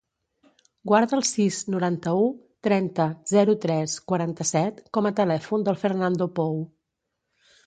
Guarda el sis, noranta-u, trenta, zero, tres, quaranta-set com a telèfon del Fernando Pou.